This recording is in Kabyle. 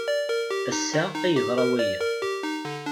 Ass-a ay yeḍra waya.